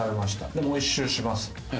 でもう１周します。